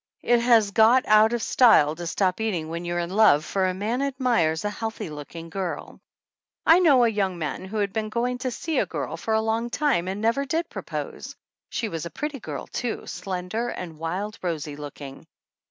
It has got out of style to stop eating when you're in love, for a man admires a healthy looking girl. I know a young man who had been going to see a girl for a long time and never did propose. She was a pretty girl, too, slender and wild rosy looking.